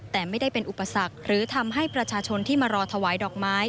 แต่ไม่ได้เป็นอุปสรรคหรือทำให้ประชาชนที่มารอถวายดอกไม้